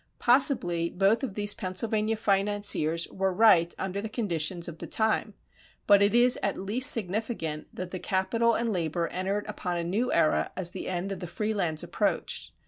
Possibly both of these Pennsylvania financiers were right under the conditions of the time; but it is at least significant that capital and labor entered upon a new era as the end of the free lands approached.